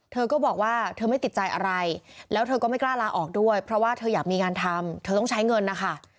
เธอก็บอกว่าเธอไม่ติดใจอะไรแล้วเธอก็ไม่กล้าลาออกด้วยเพราะว่าเธออยากมีงานทำเธอต้องใช้เงินนะคะ